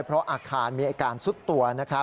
เพราะอาคารมีอาการซุดตัว